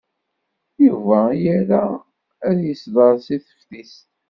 Yuba ira ad yesder deg teftist.